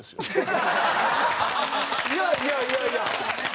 いやいやいやいや。